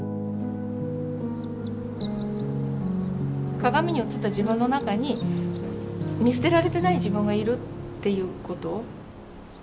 鏡に映った自分の中に見捨てられてない自分がいるっていうこと。